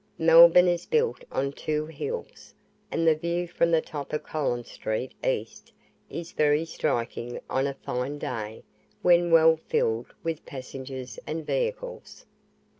Melbourne is built on two hills, and the view from the top of Collins Street East, is very striking on a fine day when well filled with passengers and vehicles.